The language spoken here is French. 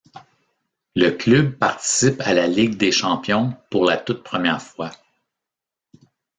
Le club participe à la Ligue des Champions pour la toute première fois.